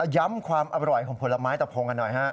ย้ำความอร่อยของผลไม้ตะโพงกันหน่อยครับ